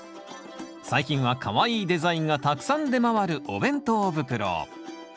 最近はかわいいデザインがたくさん出回るお弁当袋。